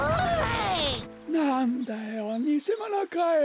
なんだよにせものかよ。